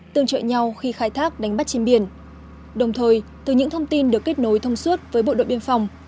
tương trợ nhau khi khai thác đánh bắt trên biển đồng thời từ những thông tin được kết nối thông suốt với bộ đội biên phòng